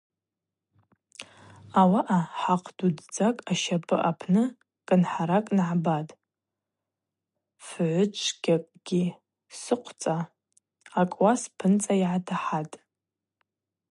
Ауаъа хӏахъвдудздзакӏ ащапӏы апны кӏынхӏаракӏ нагӏбатӏ, фгӏвычвгьакӏгьи сыхъвцӏа акӏуа спынцӏа йгӏатахӏатӏ.